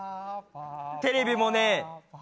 テレビもねえ